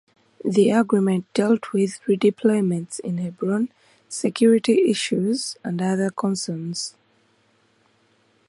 The agreement dealt with redeployments in Hebron, security issues and other concerns.